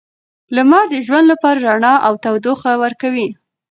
لمر د ژوند لپاره رڼا او تودوخه ورکوي.